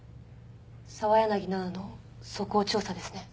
澤柳菜々の素行調査ですね？